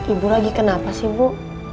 ibu lagi kenapa sih bu